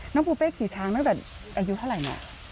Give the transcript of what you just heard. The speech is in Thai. น้องภูเป้กี่ช้างนั่นแบบอายุเท่าไรน่ะ